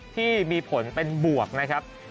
ที่มีผลเป็นบวกนะครับ